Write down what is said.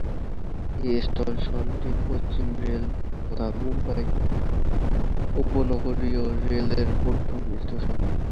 এই স্টেশনটি পশ্চিম রেল তথা মুম্বাই উপনগরীয় রেলের প্রথম স্টেশন।